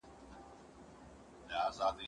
زه تمرين کړي دي!.